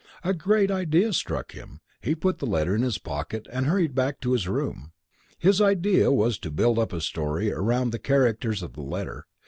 A great idea struck him. He put the letter in his pocket and hurried back to his room. "His idea was to build up a story around the characters of the letter.